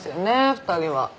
２人は。